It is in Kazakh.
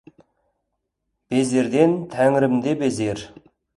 Безерден Тәңірім де безер.